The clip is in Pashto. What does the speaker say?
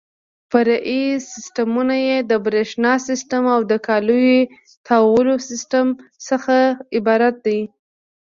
فرعي سیسټمونه یې د برېښنا سیسټم او د کالیو تاوولو سیسټم څخه عبارت دي.